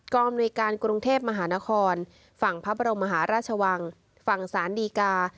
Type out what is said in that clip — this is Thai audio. อำนวยการกรุงเทพมหานครฝั่งพระบรมมหาราชวังฝั่งสารดีกา